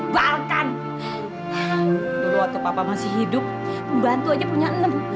waktu papa masih hidup pembantu aja punya enam